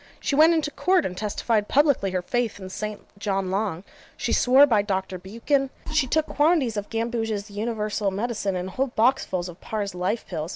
She went into Court, and testified publicly her faith in St. John Long: she swore by Doctor Buchan, she took quantities of Gambouge's Universal Medicine, and whole boxfuls of Parr's Life Pills.